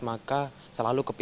maka selalu keperluan